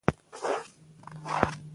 ادب څه دی یوه مهمه پوښتنه ده.